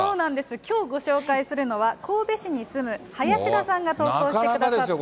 きょうご紹介するのは、神戸市に住む林田さんが投稿してくださった。